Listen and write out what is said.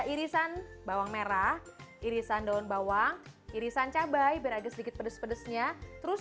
irisan bawang merah irisan daun bawang irisan cabai beragam sedikit pedes pedesnya terus